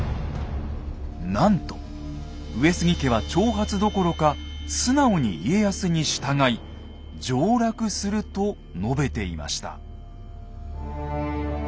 なんと上杉家は挑発どころか素直に家康に従い上洛すると述べていました。